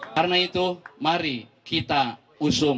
karena itu mari kita usung